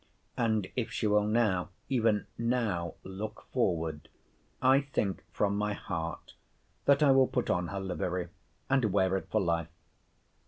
And if she will now, even now, look forward, I think, from my heart, that I will put on her livery, and wear it for life.